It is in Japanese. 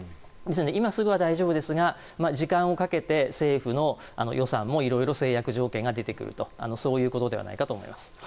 今すぐは大丈夫ですが時間をかけて政府の予算も色々、制約条件が出てくるとそういうことではないかと思います。